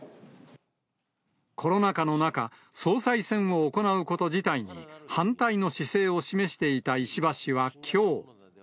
コロナ禍の中、総裁選を行うこと自体に、反対の姿勢を示していた石破氏はきょう。